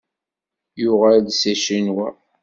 Yuɣal-d seg Ccinwa.